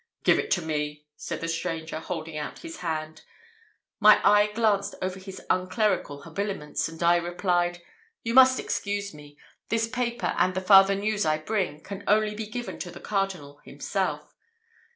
"Give it to me," said the stranger, holding out his hand. My eye glanced over his unclerical habiliments, and I replied, "You must excuse me. This paper, and the farther news I bring, can only be given to the cardinal himself."